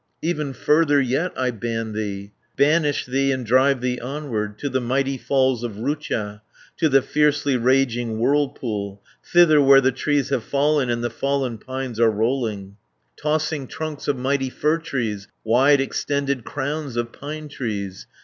420 "Even further yet I ban thee, Banish thee, and drive thee onward, To the mighty falls of Rutja, To the fiercely raging whirlpool, Thither where the trees have fallen, And the fallen pines are rolling, Tossing trunks of mighty fir trees, Wide extended crowns of pine trees.